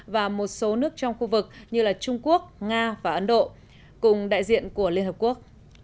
và một số nước trong khu vực như trung quốc nga và ấn độ cùng đại diện của liên hợp quốc